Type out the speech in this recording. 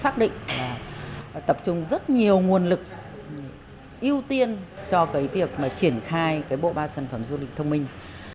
sắc định là tập trung rất nhiều nguồn lực ưu tiên cho việc triển khai bộ ba sản phẩm du lịch thông minh